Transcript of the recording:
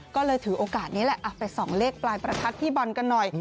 ก็เลยถือโอกาสนี้แหละไปส่องเลขปลายประทัดพี่บอลกันหน่อย